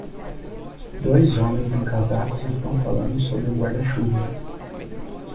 Dois homens em casacos estão falando sob um guarda-chuva.